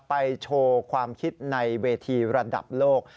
โชว์ความคิดในเวทีระดับโลก